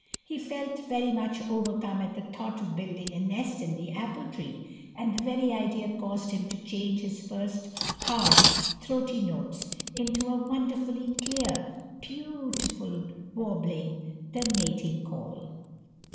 He felt very much overcome at the thought of building a nest in the apple tree, and the very idea caused him to change his first harsh, throaty notes into a wonderfully clear, beautiful warbling the mating call.